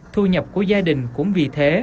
thu nhập của gia đình cũng vì thế